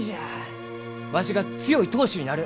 わしが強い当主になる。